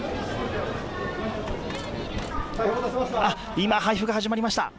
今、配布が始まりました。